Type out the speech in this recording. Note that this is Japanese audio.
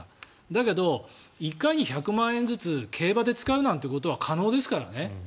だけど、１回に１００万円ずつ競馬で使うなんてことは可能ですからね。